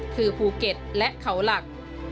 คือภูเก็ตและเขาหลัก